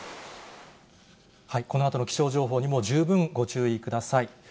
このあとの気象情報にも十分ご注意ください。